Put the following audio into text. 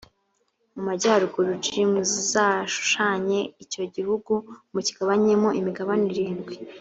mu majyaruguru j muzashushanye icyo gihugu mukigabanyemo imigabane irindwi